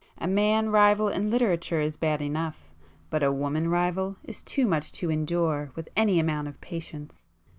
A man rival in literature is bad enough,—but a woman rival is too much to endure with any amount of patience!